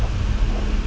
aku mau ke rumah